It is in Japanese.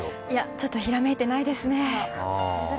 ちょっとひらめいていないですね。